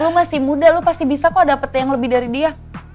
lu masih muda lo pasti bisa kok dapet yang lebih dari dia